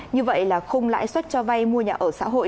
như vậy là khung lãi suất cho vay mua nhà ở xã hội